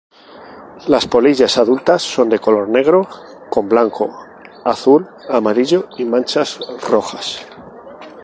Las polillas adultas son de color negro con blanco, azul, amarillo y manchas rojas.